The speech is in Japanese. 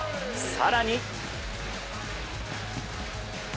更に。